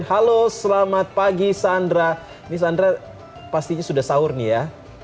halo selamat pagi sandra ini sandra pastinya sudah sahur nih ya